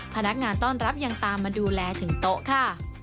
พนักงานต้อนรับยังตามมาดูแลถึงโต๊ะค่ะ